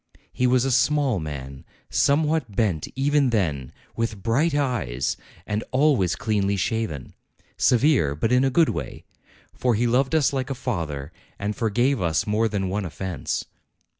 He was a small man, somewhat bent even then, with bright eyes, and al ways cleanly shaven. Severe, but in a good way ; for he loved us like a father, and forgave us more than one offence.